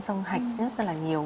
xong hạch rất là nhiều